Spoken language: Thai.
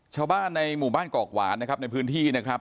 ชาวบ้านในหมู่บ้านกอกหวานนะครับในพื้นที่นะครับ